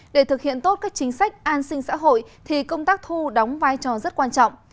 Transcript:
để thực hiện tốt các chính sách an sinh xã hội thì công tác thu đóng vai trò rất quan trọng